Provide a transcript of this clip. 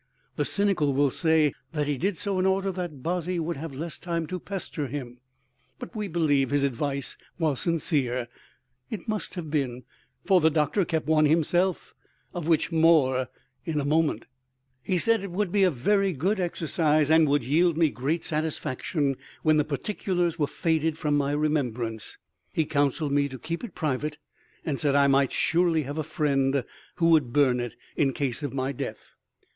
The cynical will say that he did so in order that Bozzy would have less time to pester him, but we believe his advice was sincere. It must have been, for the Doctor kept one himself, of which more in a moment. "He recommended to me," Boswell says, "to keep a journal of my life, full and unreserved. He said it would be a very good exercise and would yield me great satisfaction when the particulars were faded from my remembrance. He counselled me to keep it private, and said I might surely have a friend who would burn it in case of my death."